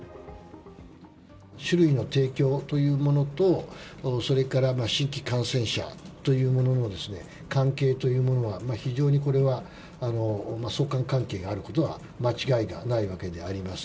酒類の提供というものと、それから新規感染者というもののですね、関係というものは、非常にこれは相関関係があることは間違いがないわけであります。